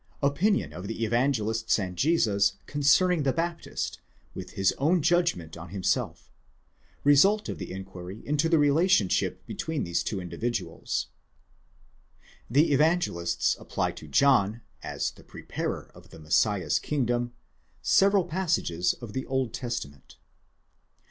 OPINION OF THE EVANGELISTS AND JESUS CONCERNING THE BAPTIST, WITH HIS OWN JUDGMENT ON HIMSELF. RESULT OF THE INQUIRY INTO THE RELATIONSHIP BETWEEN THESE TWO INDIVIDUALS. The Evangelists apply to John, as the preparer of the Messiah's kingdom, several passages of the Old Testament.